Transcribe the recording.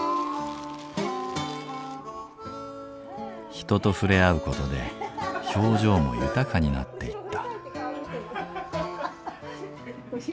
人と触れ合う事で表情も豊かになっていった。